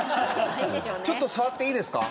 ちょっと触っていいですか？